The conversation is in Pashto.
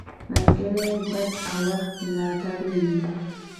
ملګری د بد وخت ملاتړی وي